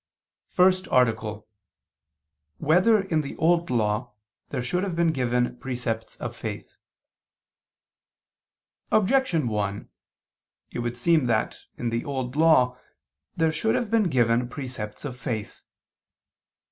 _______________________ FIRST ARTICLE [II II, Q. 16, Art. 1] Whether in the Old Law There Should Have Been Given Precepts of Faith? Objection 1: It would seem that, in the Old Law, there should have been given precepts of faith.